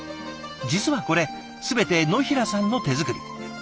実はこれ全て野平さんの手作り。